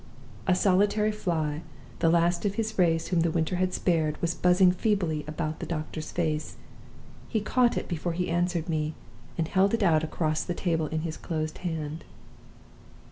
"A solitary fly, the last of his race whom the winter had spared, was buzzing feebly about the doctor's face. He caught it before he answered me, and held it out across the table in his closed hand.